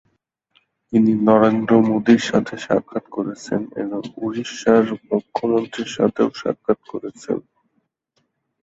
তিনি নরেন্দ্র মোদীর সাথে সাক্ষাৎ করেছেন এবং ভারতের উড়িষ্যার মুখ্যমন্ত্রীর সাথেও সাক্ষাৎ করেছেন।